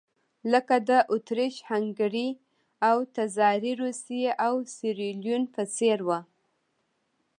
لکه د اتریش-هنګري او تزاري روسیې او سیریلیون په څېر وو.